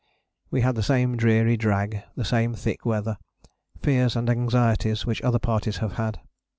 We had the same dreary drag, the same thick weather, fears and anxieties which other parties have had.